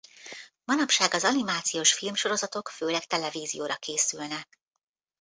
Manapság az animációs filmsorozatok főleg televízióra készülnek.